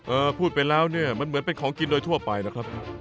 พูดไปแล้วเนี่ยมันเหมือนเป็นของกินโดยทั่วไปนะครับ